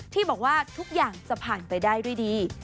ที่บอกว่าทุกอย่างจะผ่านไปได้ด้วยดี